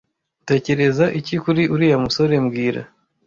Utekereza iki kuri uriya umusore mbwira